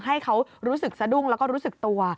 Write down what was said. ให้เขารู้สึกสะดุ้งแล้วก็รู้สึกตัว